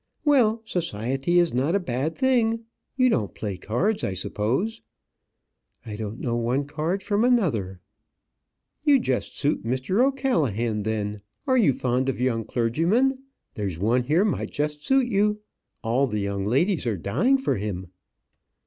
"Well, society is not a bad thing. You don't play cards, I suppose?" "I don't know one card from another." "You'd just suit Mr. O'Callaghan then. Are you fond of young clergymen? There's one here might just suit you. All the young ladies are dying for him."